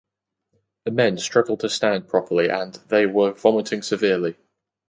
The men struggled to stand properly and they were vomiting severely.